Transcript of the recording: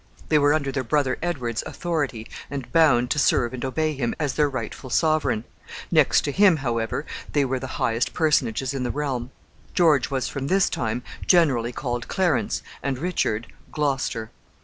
They were under their brother Edward's authority, and bound to serve and obey him as their rightful sovereign; next to him, however, they were the highest personages in the realm. George was, from this time, generally called Clarence, and Richard, Gloucester.